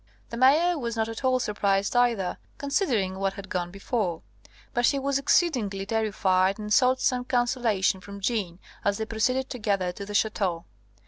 The Mayor was not at all surprised either, considering what had gone before; but he was exceedingly terrified, and sought some consolation from Jeanne as they proceeded together to the Ch√¢teau.